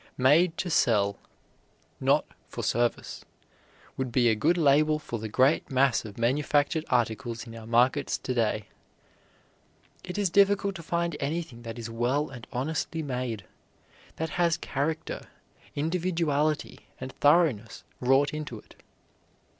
"Made to sell, not for service," would be a good label for the great mass of manufactured articles in our markets to day. It is difficult to find anything that is well and honestly made, that has character, individuality and thoroughness wrought into it.